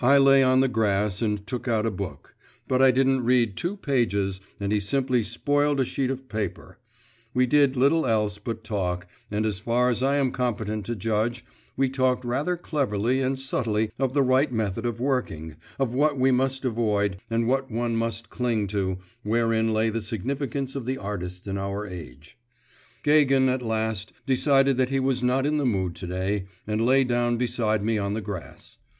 I lay on the grass and took out a book; but I didn't read two pages, and he simply spoiled a sheet of paper; we did little else but talk, and as far as I am competent to judge, we talked rather cleverly and subtly of the right method of working, of what we must avoid, and what one must cling to, and wherein lay the significance of the artist in our age. Gagin, at last, decided that he was not in the mood to day, and lay down beside me on the grass.